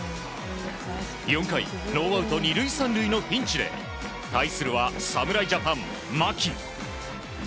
４回ノーアウト２塁３塁のピンチで対するは侍ジャパン、牧。